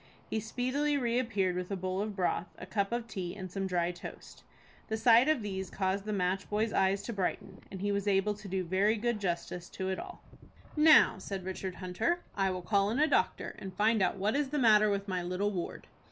He speedily reappeared with a bowl of broth, a cup of tea, and some dry toast. The sight of these caused the match boy's eyes to brighten, and he was able to do very good justice to all. "Now," said Richard Hunter, "I will call in a doctor, and find out what is the matter with my little ward."